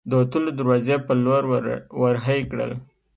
د وتلو دروازې په لور ور هۍ کړل.